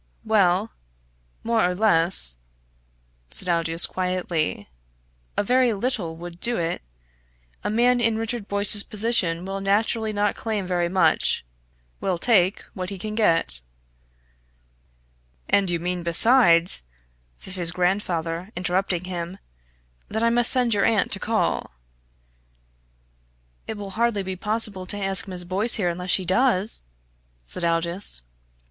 "Well, more or less," said Aldous, quietly. "A very little would do it. A man in Richard Boyce's position will naturally not claim very much will take what he can get." "And you mean besides," said his grandfather, interrupting him, "that I must send your aunt to call?" "It will hardly be possible to ask Miss Boyce here unless she does!" said Aldous.